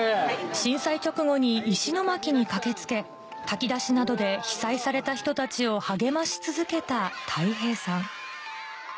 震災直後に石巻に駆け付け炊き出しなどで被災された人たちを励まし続けたたい平さん